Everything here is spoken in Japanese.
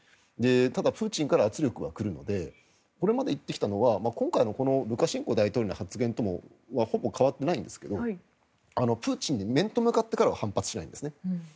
ただ、プーチンから圧力は来るのでこれまで言ってきたのは今回のルカシェンコ大統領の発言ともほぼ変わってないんですがプーチンに面と向かっては反発しないんですね。